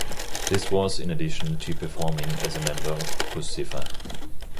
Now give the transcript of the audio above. This was in addition to performing as a member of Puscifer.